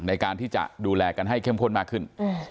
ในการที่จะดูแลกันให้เข้มข้นมากขึ้น